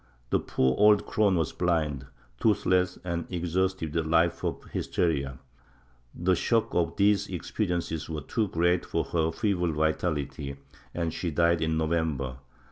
The poor old crone was blind, toothless and exhausted with a life of hysteria; the shock of these experiences was too great for her feeble vitality, and she died in November.